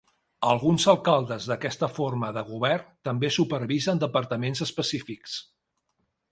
Alguns alcaldes d'aquesta forma de govern també supervisen departaments específics.